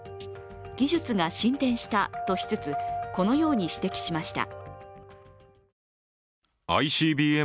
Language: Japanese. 技術が進展したとしつつ、このように指摘しました。